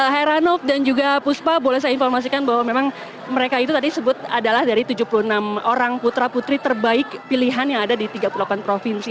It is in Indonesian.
heranov dan juga puspa boleh saya informasikan bahwa memang mereka itu tadi sebut adalah dari tujuh puluh enam orang putra putri terbaik pilihan yang ada di tiga puluh delapan provinsi